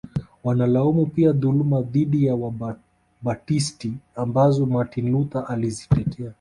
Wanalaumu pia dhuluma dhidi ya Wabatisti ambazo Martin Luther alizitetea